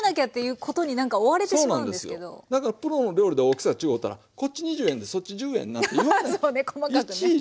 だからプロの料理で大きさ違うたらこっち２０円でそっち１０円なんて言わない。